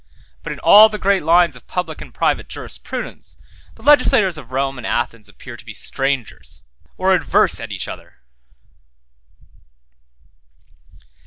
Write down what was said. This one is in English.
19 But in all the great lines of public and private jurisprudence, the legislators of Rome and Athens appear to be strangers or adverse at each other.